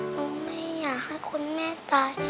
หนูไม่อยากให้คุณแม่ตาย